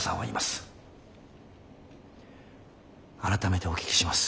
改めてお聞きします。